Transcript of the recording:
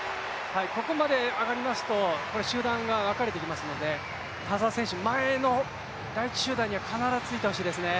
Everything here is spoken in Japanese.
ここまで上がると集団が分かれてきますので、田澤選手、前の第１集団には必ず着いてほしいですね。